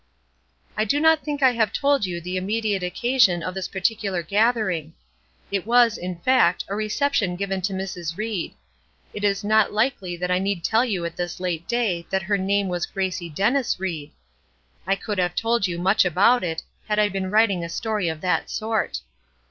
I do not think I have told you the immediate occasion of this particular gathering. It was, in fact, a reception given to Mrs. Ried. It is not likely that I need tell you at this late day that her name was Gracie Dennis Ried. I could have told you much about it, had I been writing a story of that sort.